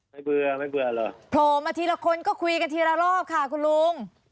เบื่อไม่เบื่อหรอโผล่มาทีละคนก็คุยกันทีละรอบค่ะคุณลุง